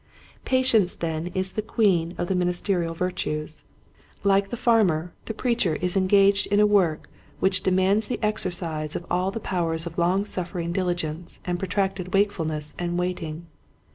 Patience then is the queen of the min isterial virtues. Like the farmer the Impatience. 65 preacher is engaged in a work which de mands the exercise of all the powers of long suffering diligence and protracted wakefulness and waiting.